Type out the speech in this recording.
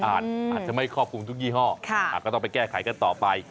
อาจจะไม่ครอบคลุมทุกยี่ห้อก็ต้องไปแก้ไขกันต่อไป